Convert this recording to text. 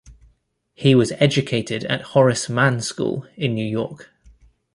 He was educated at Horace Mann School in New York.